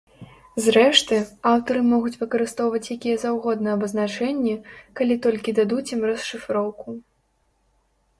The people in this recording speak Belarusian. Зрэшты, аўтары могуць выкарыстоўваць якія заўгодна абазначэнні, калі толькі дадуць ім расшыфроўку.